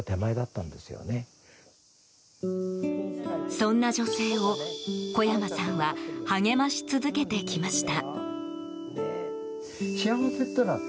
そんな女性を小山さんは励まし続けてきました。